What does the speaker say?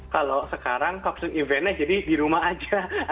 kalau sekarang talkshow eventnya jadi di rumah aja